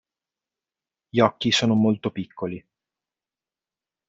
Gli occhi sono molto piccoli.